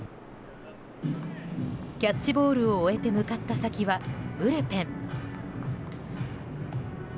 キャッチボールを終えて向かった先はブルペン。